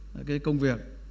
cái công việc